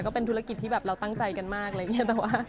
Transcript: ก็เป็นธุรกิจที่แบบเราตั้งใจกันมากอะไรอย่างนี้แต่ว่า